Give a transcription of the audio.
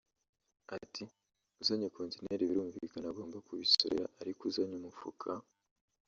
Ati “Uzanye kontineri birumvikana agoma kubisorera ariko uzanye umufuka